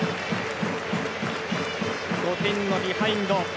５点のビハインド。